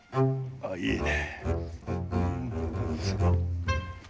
あっいいね。